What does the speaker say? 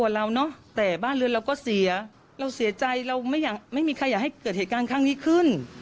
เราเสียใจเราไม่อยากไม่มีใครอยากให้เกิดเหตุการณ์ข้างนี้ขึ้น